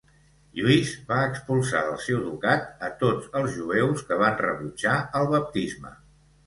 Lluís va expulsar del seu ducat a tots els jueus que van rebutjar el baptisme.